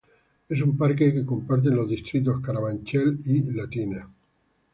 Es un parque que comparten los distritos Carabanchel y la Latina.